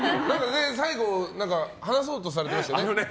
最後、何か話そうとされてましたよね。